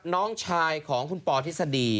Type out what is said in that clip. น้องชายของคุณปอทฤษฎี